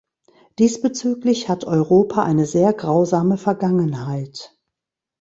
Diesbezüglich hat Europa eine sehr grausame Vergangenheit.